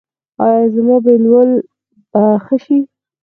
ایا زما بویول به ښه شي؟